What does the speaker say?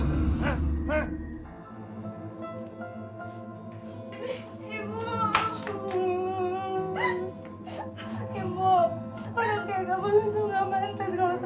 orang kaya gak peduli sungguh mantes